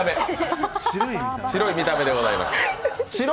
白い見た目でございます。